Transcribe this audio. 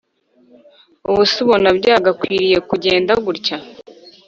ubuse ubona byagakwiriye kujyenda gutya